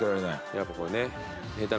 やっぱこれね。